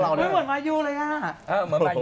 เหมือนมายูเลยอ่ะ